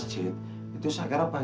cepat sini bapak